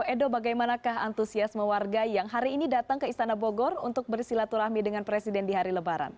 edo bagaimanakah antusiasme warga yang hari ini datang ke istana bogor untuk bersilaturahmi dengan presiden di hari lebaran